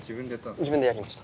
自分でやりました。